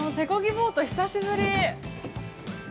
ボート久しぶり。